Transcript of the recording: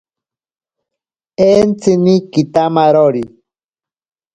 Entsini kitamarori.